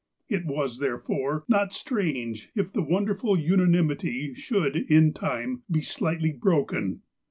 It was, therefore, not strange, if the wonderful una nimity should, in time, be slightly broken.